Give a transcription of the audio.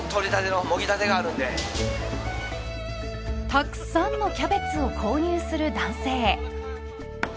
たくさんのキャベツを購入する男性。